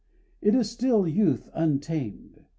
It is still youth untamed.